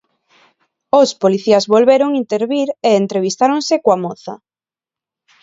Os policías volveron intervir e entrevistáronse coa moza.